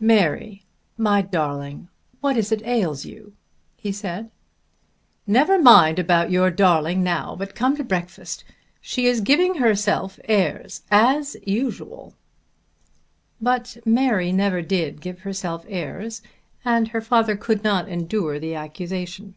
"Mary, my darling, what is it ails you?" he said. "Never mind about your darling now, but come to breakfast. She is giving herself airs, as usual." But Mary never did give herself airs and her father could not endure the accusation.